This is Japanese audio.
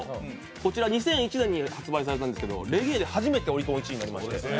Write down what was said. こちら２００１年に発売されたんですけどレゲエで初めてオリコン１位になりまして。